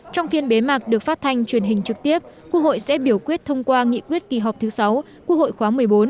trong phiên bế mạc được phát thanh truyền hình trực tiếp quốc hội sẽ biểu quyết thông qua nghị quyết kỳ họp thứ sáu quốc hội khóa một mươi bốn